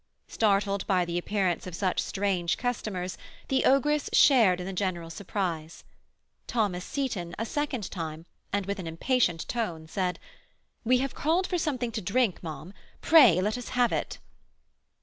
Startled by the appearance of such strange customers, the ogress shared in the general surprise. Thomas Seyton, a second time, and with an impatient tone, said, "We have called for something to drink, ma'am; pray let us have it."